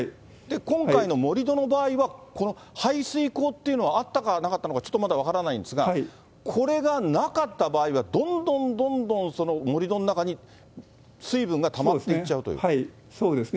今回の盛り土の場合は、この排水溝というのはあったかなかったのか、ちょっとまだ分からないんですが、これがなかった場合はどんどんどんどん盛り土の中に水分がたまっそうですね。